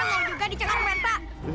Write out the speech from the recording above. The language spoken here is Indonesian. kalian mau juga di cengkak penta